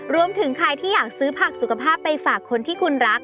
รวมถึงใครที่อยากซื้อผักสุขภาพไปฝากคนที่คุณรัก